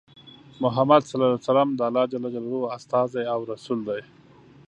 محمد ص د الله ج استازی او رسول دی.